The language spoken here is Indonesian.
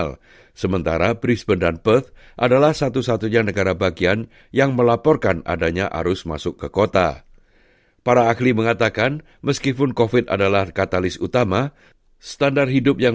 lebih dari enam tahun kemarin kita tidak akan berpikir pikir untuk berpindah ke melbourne